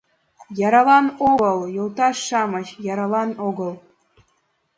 Яралан огыл, йолташ-шамыч, яралан огыл!